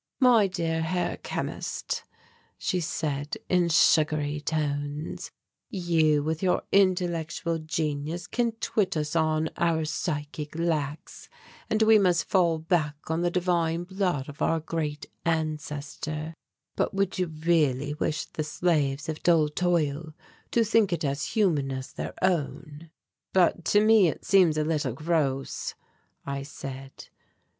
"My dear Herr Chemist," she said in sugary tones, "you with your intellectual genius can twit us on our psychic lacks and we must fall back on the divine blood of our Great Ancestor but would you really wish the slaves of dull toil to think it as human as their own?" "But to me it seems a little gross," I said.